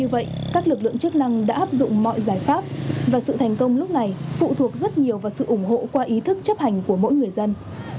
vậy các lực lượng chức năng đã áp dụng mọi giải pháp và sự thành công lúc này phụ thuộc rất nhiều vào sự ủng hộ qua ý thức chấp hành của mỗi người dân